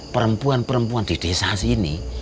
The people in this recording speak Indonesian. perempuan perempuan di desa sini